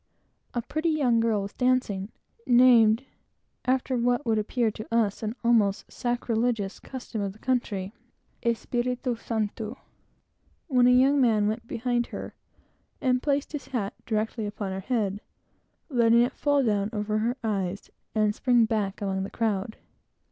A pretty young girl was dancing, named, after what would appear to us the sacrilegious custom of the country Espiritu Santo, when a young man went behind her and placed his hat directly upon her head, letting it fall down over her eyes, and sprang back among the crowd.